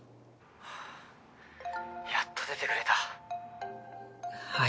はぁやっと出てくれた。